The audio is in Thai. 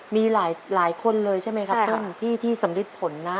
มีหลายคนเลยใช่ไหมครับท่านที่สำริดผลนะ